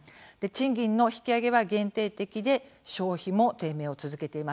賃金の引き上げは限定的で消費も低迷を続けています。